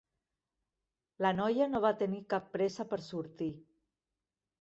La noia no va tenir cap pressa per sortir.